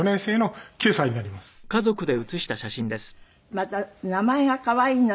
また名前が可愛いのね。